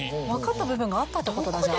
分かった部分があったってことだ。